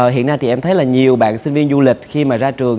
hiện nay thì em thấy là nhiều bạn sinh viên du lịch khi mà ra trường